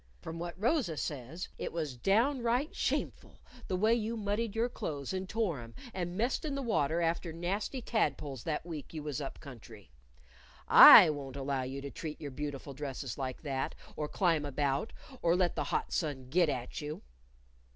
From what Rosa says, it was downright shameful the way you muddied your clothes, and tore 'em, and messed in the water after nasty tad poles that week you was up country. I won't allow you to treat your beautiful dresses like that, or climb about, or let the hot sun git at you."